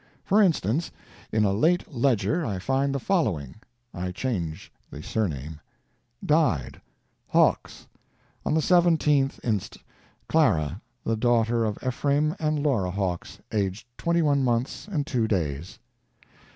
For instance, in a late _Ledger _I find the following (I change the surname): DIED Hawks. On the 17th inst., Clara, the daughter of Ephraim and Laura Hawks, aged 21 months and 2 days.